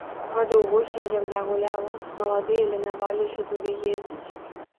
Гадоў восем зямля гуляла, маладыя ленаваліся туды ездзіць.